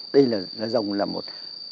đây là rồng là một